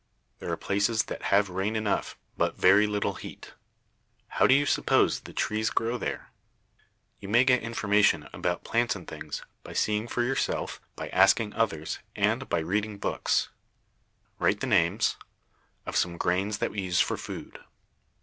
There are places that have rain enough, but very little heat. How do you suppose the trees grow there? You may get information about plants and things by seeing for yourself, by asking others, and by reading books. [Illustration: "IF A COUNTRY HAS A GREAT DEAL OF HEAT AND RAIN."] Write the names: Of some grains that we use for food.